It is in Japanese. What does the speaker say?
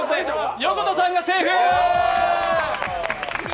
横田さんがセーフ！